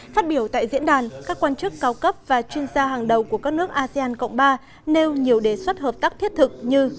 phát biểu tại diễn đàn các quan chức cao cấp và chuyên gia hàng đầu của các nước asean cộng ba nêu nhiều đề xuất hợp tác thiết thực như